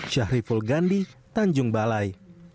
syahriful gandhi tanjung balai